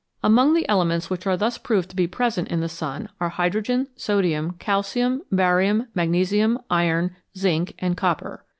Among the elements which are thus proved to be present in the sun are hydrogen, sodium, calcium, barium, magnesium, iron, zinc, and copper.